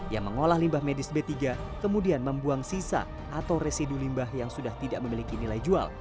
yang mengolah limbah medis b tiga kemudian membuang sisa atau residu limbah yang sudah tidak memiliki nilai jual